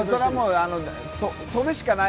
それしかない。